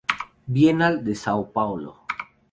Bienal de São Paulo.